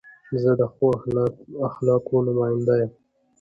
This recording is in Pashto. زه د ښو اخلاقو نماینده یم.